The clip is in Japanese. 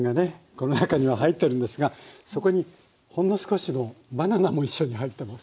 この中には入ってるんですがそこにほんの少しのバナナも一緒に入ってます。